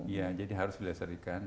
iya jadi harus dilestarikan